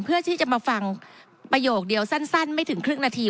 เพื่อที่จะมาฟังประโยคเดียวสั้นไม่ถึงครึ่งนาที